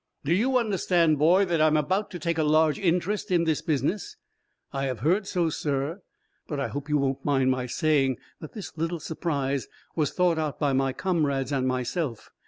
"Do you understand, boy, that I am about to take a large interest in this business?" "I have heard so, sir. But I hope you won't mind my saying that this little surprise was thought out by my comrades and myself.